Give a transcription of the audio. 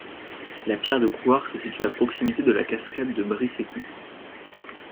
La Pierre de Couhard se situe à proximité de la cascade de Brisecou.